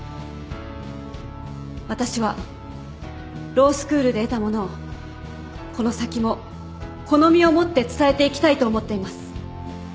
私はロースクールで得たものをこの先もこの身をもって伝えていきたいと思っています。